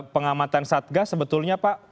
pengamatan satgas sebetulnya pak